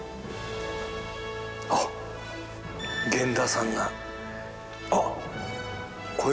あっ源田さんが。あっ！